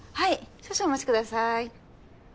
少々お待ちください。